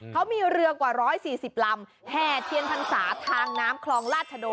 เขามีเรือกว่าร้อยสี่สิบลำแพทย์เทียนทันศาสตร์ทางน้ำคลองลาชโด